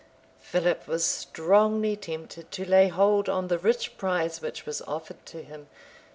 Philip was strongly tempted to lay hold on the rich prize which was offered to him.